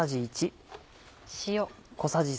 塩。